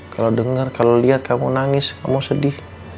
kalau dengar kalau lihat kamu nangis kamu sedih